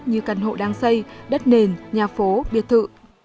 như căn hộ đang xây đất nền nhà phố biệt thự